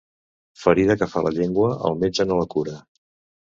Ferida que fa la llengua, el metge no la cura.